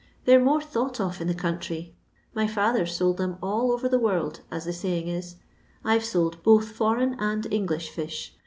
They 're more thought of in the covmtry. My fother's sold them all over the world, as the saying is. I've sold both foreign and English fish.